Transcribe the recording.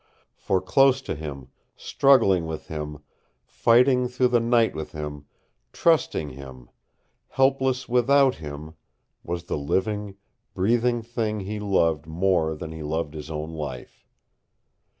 For close to him, struggling with him, fighting through the night with him, trusting him, helpless without him, was the living, breathing thing he loved more than he loved his own life.